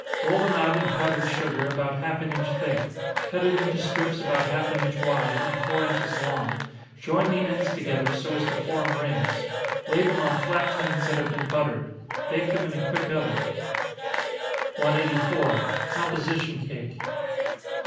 Roll them out in powdered sugar, about half an inch thick, cut it into strips about half an inch wide, and four inches long, join the ends together, so as to form rings lay them on flat tins that have been buttered bake them in a quick oven. 184. _Composition Cake.